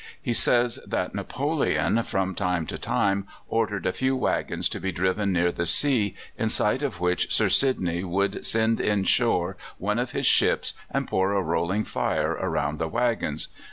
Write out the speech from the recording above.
He says that Napoleon from time to time ordered a few waggons to be driven near the sea, on sight of which Sir Sidney would send in shore one of his ships and pour a rolling fire around the waggons.